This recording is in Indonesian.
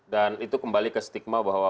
dan itu kembali ke stigma bahwa